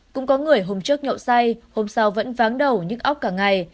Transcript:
cũng có người hôm trước nhậu say hôm sau vẫn váng đầu nhức ốc cả ngày